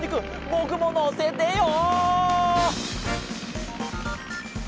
ぼくものせてよ！